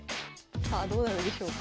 さあどうなるでしょうか。